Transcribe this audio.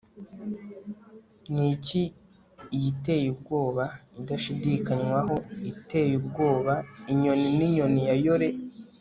niki iyi iteye ubwoba, idashidikanywaho, iteye ubwoba, inyoni ninyoni ya yore